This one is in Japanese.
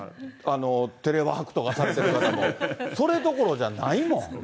テレワークとかされてる方も。それどころじゃないもん。